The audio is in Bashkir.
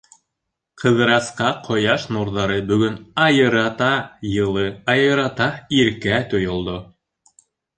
Ҡыҙырасҡа ҡояш нурҙары бөгөн айырата йылы, айырата иркә тойолдо.